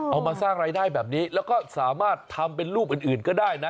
เอามาสร้างรายได้แบบนี้แล้วก็สามารถทำเป็นรูปอื่นก็ได้นะ